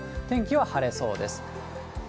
天気は晴れそうです。